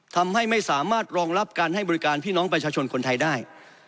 ทำให้ไม่สามารถรองรับการให้บริการพี่น้องประชาชนคนไทยได้